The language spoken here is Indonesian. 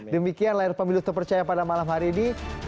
demikian layar pemilu terpercaya pada malam hari ini